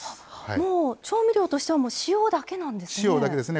もう調味料としては塩だけなんですね。